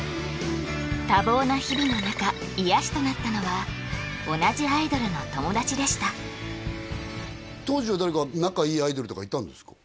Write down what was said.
多忙な日々の中癒やしとなったのは同じアイドルの友達でした当時は誰か仲いいアイドルとかいたんですか？